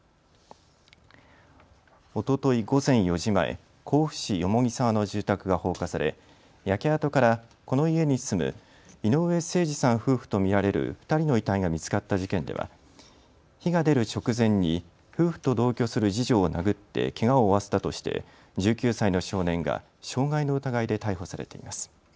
おととい午前４時前、甲府市蓬沢の住宅が放火され焼け跡からこの家に住む井上盛司さん夫婦と見られる２人の遺体が見つかった事件では火が出る直前に夫婦と同居する次女を殴ってけがを負わせたとして１９歳の少年が傷害の疑いで逮捕されています。